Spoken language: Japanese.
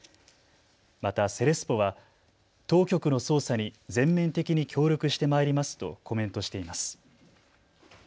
また、セレスポは当局の捜査に全面的に協力してまいりますとコメントしています。